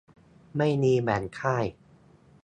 ไม่มีแบ่งค่าย